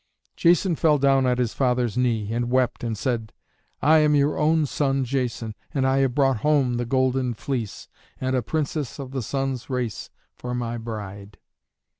Jason fell down at his father's knee and wept and said, "I am your own son Jason, and I have brought home the Golden Fleece and a Princess of the Sun's race for my bride."